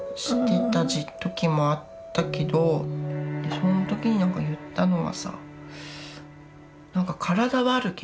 その時に何か言ったのはさ